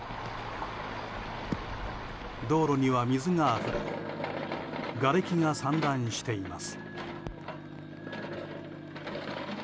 道路には水があふれがれきが散乱しています。